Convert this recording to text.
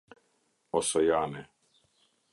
Osojane